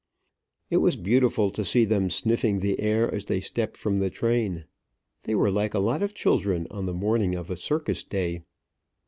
It was beautiful to see them sniffing the air as they stepped from the train. They were like a lot of children on the morning of circus day.